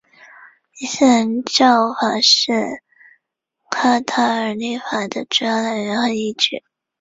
伊斯兰教法是卡塔尔立法的主要来源和依据。